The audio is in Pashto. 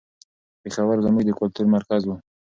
پېښور زموږ د کلتور مرکز و.